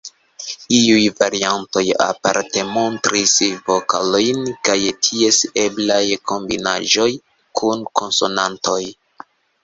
Iuj variantoj aparte montris vokalojn kaj ties eblaj kombinaĵoj kun konsonantoj.